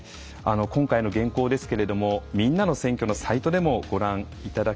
今回の原稿ですけれども「みんなの選挙」のサイトでもご覧いただけます。